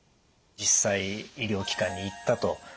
実際医療機関に行ったと。